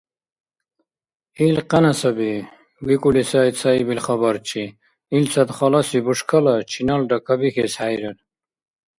— Ил къяна саби, — викӀули сай цаибил хабарчи, — илцад халаси бушкала чиналра кабихьес хӀейрар.